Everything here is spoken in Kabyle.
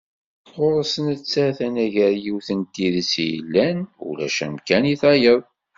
Ɣur-s nettat, anagar yiwet n tidet i yellan, ulac amkan i tayeḍ.